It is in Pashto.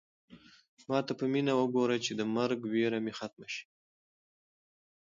ما ته په مینه وګوره چې د مرګ وېره مې ختمه شي.